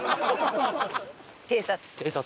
偵察！